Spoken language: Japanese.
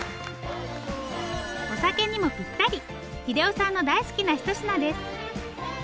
お酒にもぴったり秀雄さんの大好きなひと品です。